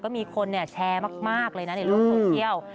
ก็มีคนแชร์มากเลยนะในโลกโซเชียล